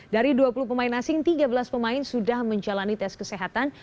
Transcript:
dari dua puluh pemain asing tiga belas pemain sudah menjalani tes kesehatan